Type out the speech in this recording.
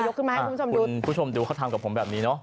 คุณผู้ชมดูให้เขาทำกับผมแบบนี้เนอะ